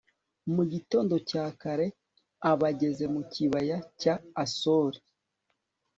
mu gitondo cya kare aba ageze mu kibaya cya asori